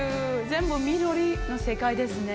全部、緑の世界ですね。